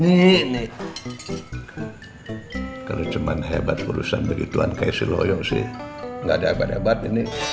nih nih kalo cuman hebat urusan begituan kayak si loyong sih gak ada hebat hebat ini